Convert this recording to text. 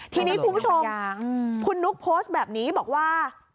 ทีนี้คุณผู้ชมคุณนุ๊กโพสต์แบบนี้บอกว่า